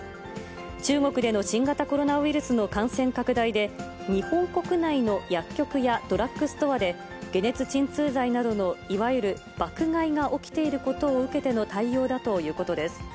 中国での新型コロナウイルスの感染拡大で、日本国内の薬局やドラッグストアで、解熱鎮痛剤などのいわゆる爆買いが起きていることを受けての対応だということです。